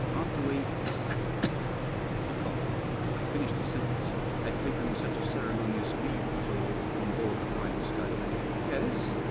After we " He coughed. I finished his sentence. " Had taken such a ceremonious leave of us all on board The Flying Scud. Yes